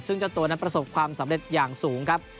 ซึ่งเจ้าตัวนั้นประสบความสำเร็จอย่างสูงครับ